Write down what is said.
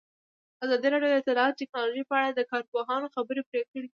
ازادي راډیو د اطلاعاتی تکنالوژي په اړه د کارپوهانو خبرې خپرې کړي.